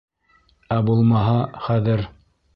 — Ә булмаһа, хәҙер...